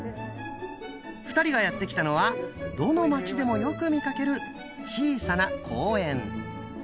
２人がやって来たのはどの街でもよく見かける小さな公園。